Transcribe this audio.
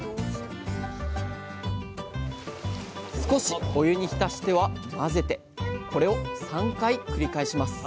少しお湯に浸しては混ぜてこれを３回繰り返します。